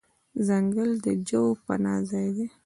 ځنګل د ژوو پناه ځای دی.